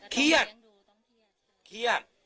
เครียดเครียด